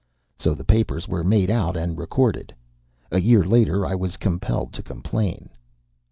So the papers were made out and recorded. A year later I was compelled to complain.